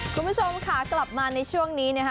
คุณผู้ชมค่ะกลับมาในช่วงนี้นะคะ